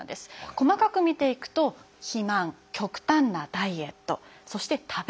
細かく見ていくと肥満極端なダイエットそして食べ方。